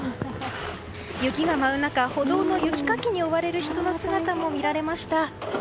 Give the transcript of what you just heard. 雪が舞う中、歩道の雪かきに追われる人の姿も見られました。